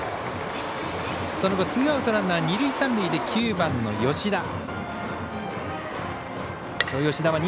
その後、ツーアウトランナー二塁、三塁で９番の吉田。